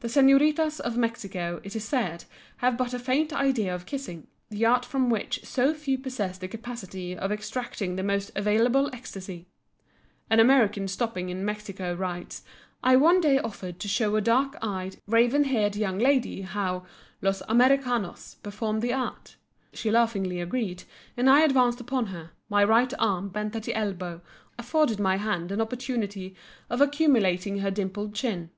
The senoritas of Mexico, it is said, have but a faint idea of kissing, that art from which so few possess the capacity of extracting the most available ecstasy. An American stopping in Mexico writes: "I one day offered to show a dark eyed, raven haired young lady how los Americanos performed the act. She laughingly agreed and I advanced upon her, my right arm bent at the elbow, afforded my hand an opportunity of accumulating her dimpled chin.